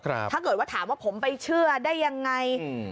ถ้าเกิดว่าถามว่าผมไปเชื่อได้ยังไงอืม